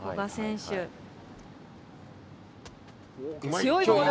強いボール！